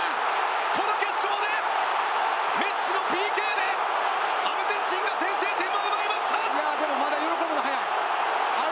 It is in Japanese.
この決勝でメッシのＰＫでアルゼンチンが先制点を奪いました。